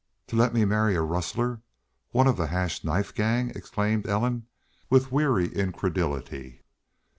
"To let me marry a rustler one of the Hash Knife Gang!" exclaimed Ellen, with weary incredulity.